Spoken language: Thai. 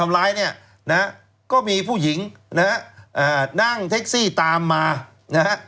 ร้ายเนี่ยนะฮะก็มีผู้หญิงนะฮะนั่งแท็กซี่ตามมานะฮะ